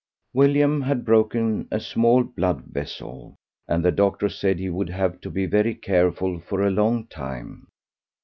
William had broken a small blood vessel, and the doctor said he would have to be very careful for a long time.